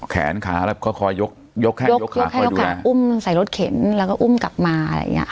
แขนขาแล้วก็คอยยกแขนยกขาคอยดูแลยกแขนยกขาอุ้มใส่รถเข็นแล้วก็อุ้มกลับมาอะไรอย่างนี้